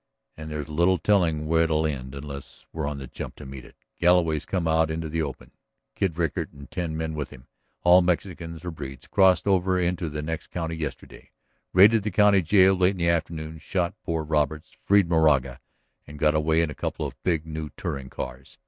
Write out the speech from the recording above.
"And there's little telling where it'll end unless we're on the jump to meet it. Galloway's come out into the open. Kid Rickard and ten men with him, all Mexicans or breeds, crossed over into the next county yesterday, raided the county jail late this afternoon, shot poor Roberts, freed Moraga, and got away in a couple of big new touring cars.